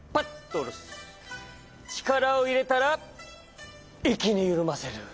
ちからをいれたらいっきにゆるませる。